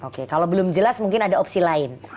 oke kalau belum jelas mungkin ada opsi lain